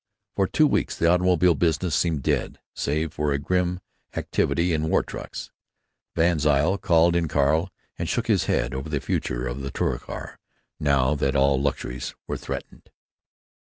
For two weeks the automobile business seemed dead, save for a grim activity in war trucks. VanZile called in Carl and shook his head over the future of the Touricar, now that all luxuries were threatened.